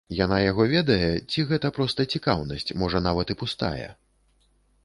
Яна яго ведае, ці гэта проста цікаўнасць, можа нават і пустая?